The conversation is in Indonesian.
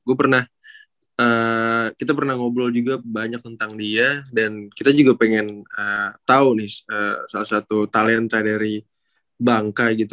gue pernah kita pernah ngobrol juga banyak tentang dia dan kita juga pengen tahu nih salah satu talenta dari bangkai gitu